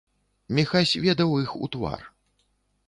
Міхась ведаў іх у твар.